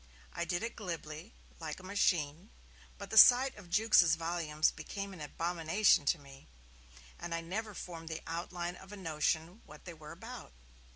I did it glibly, like a machine, but the sight of Jukes' volumes became an abomination to me, and I never formed the outline of a notion what they were about.